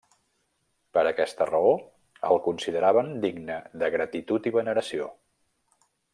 Per aquesta raó, el consideraven digne de gratitud i veneració.